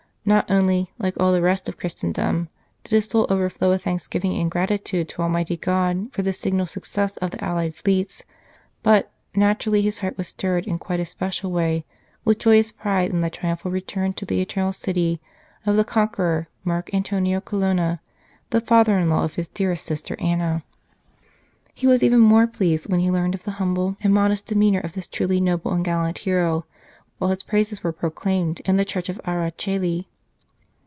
Not only, like all the rest of Christendom, did his soul overflow with thanksgiving and gratitude to Almighty God for this signal success of the allied fleets, but, naturally, his heart was stirred in quite a special way with joyous pride in the triumphal return to the Eternal City of the conqueror Marc Antonio Colonna, the father in law of his dearest sister Anna. He was even more pleased when he learned of the humble and modest demeanour of this truly 97 H St. Charles Borromeo noble and gallant hero while his praises were proclaimed in the Church of Ara Coeli.